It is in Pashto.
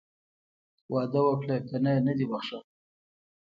واده وکړه که نه نه دې بښم.